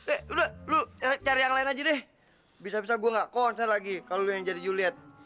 eh udah lu cari yang lain aja deh bisa bisa gue gak konser lagi kalau yang jadi juliet